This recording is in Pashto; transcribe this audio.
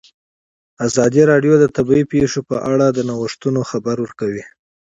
ازادي راډیو د طبیعي پېښې په اړه د نوښتونو خبر ورکړی.